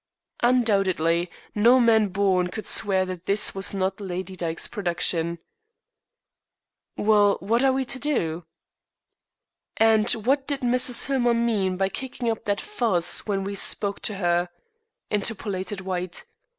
"Undoubtedly. No man born could swear that this was not Lady Dyke's production." "Well, what are we to do?" "And what did Mrs. Hillmer mean by kicking up that fuss when we spoke to her?" interpolated White.